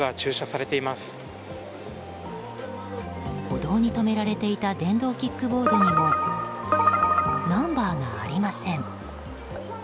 歩道に止められていた電動キックボードにもナンバーがありません。